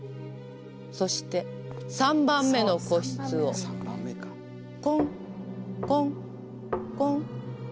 そして３番目の個室をコンコンコン。